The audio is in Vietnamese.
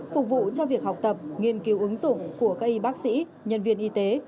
phục vụ cho việc học tập nghiên cứu ứng dụng của các y bác sĩ nhân viên y tế